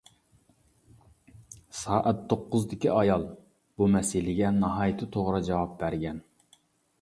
«سائەت توققۇزدىكى ئايال» بۇ مەسىلىگە ناھايىتى توغرا جاۋاب بەرگەن.